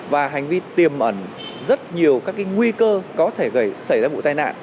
và hành vi tiềm ẩn rất nhiều các cái nguy cơ có thể gây xảy ra vụ tai nạn